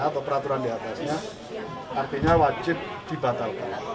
atau peraturan diatasnya artinya wajib dibatalkan